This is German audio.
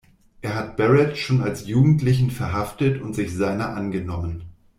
Er hat Barett schon als Jugendlichen verhaftet und sich seiner angenommen.